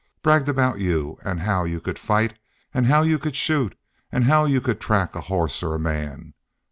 Bragged aboot you an' how you could fight an' how you could shoot an' how you could track a hoss or a man!